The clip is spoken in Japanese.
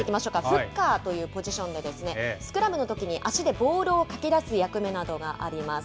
フッカーというポジションで、スクラムのときに足でボールをかき出す役目などがあります。